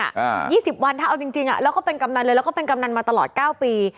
อ่ายี่สิบวันถ้าเอาจริงจริงอ่ะแล้วก็เป็นกำนันเลยแล้วก็เป็นกำนันมาตลอดเก้าปี